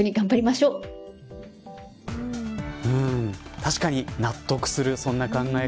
確かに納得するそんな考え方。